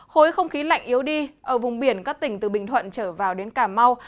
khối không khí lạnh yếu đi ở vùng biển các tỉnh từ bình thuận trở vào đến cà mau